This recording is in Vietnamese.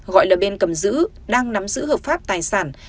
gọi là bên cầm dữ đang nắm giữ hợp pháp tài sản